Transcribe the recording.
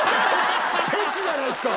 ケチじゃないですか！